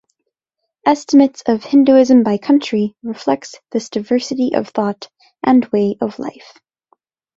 Estimates of Hinduism by country reflects this diversity of thought and way of life.